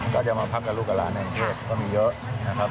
ก็จะมาพักกับลูกกับหลานแห่งเทพก็มีเยอะนะครับ